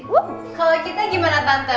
kalau kita gimana tante